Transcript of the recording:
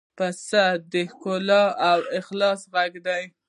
پسه د ښکلا او خلوص غږ دی.